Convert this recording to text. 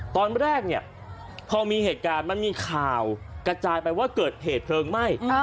ตอนแรกเนี่ยพอมีเหตุการณ์มันมีข่าวกระจายไปว่าเกิดเหตุเพลิงไหม้